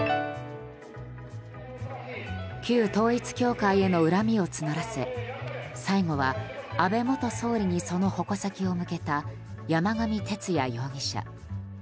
旧統一教会への恨みを募らせ最後は安倍元総理に、その矛先を向けた山上徹也容疑者。